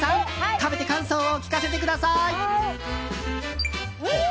食べて感想を聞かせてください。